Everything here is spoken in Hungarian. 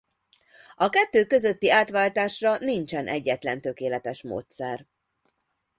A kettő közötti átváltásra nincsen egyetlen tökéletes módszer.